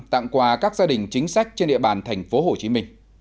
tặng quà các gia đình chính sách trên địa bàn tp hcm